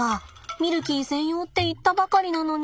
ミルキー専用って言ったばかりなのに。